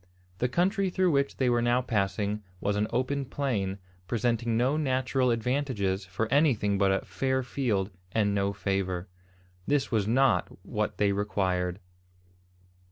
The country through which they were now passing was an open plain, presenting no natural advantages for anything but a "fair field and no favour." This was not what they required.